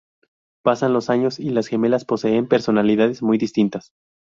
Pasan los años y las gemelas poseen personalidades muy distintas.